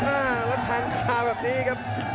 อ่าแล้วแทงคาแบบนี้ครับ